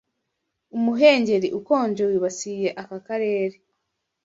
Umuhengeri ukonje wibasiye aka karere.